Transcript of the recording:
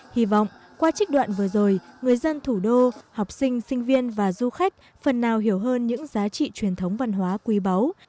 hy vọng qua trích đoạn vừa rồi người dân thủ đô học sinh sinh viên và du khách phần nào hiểu hơn những giá trị truyền thống văn hóa quý báu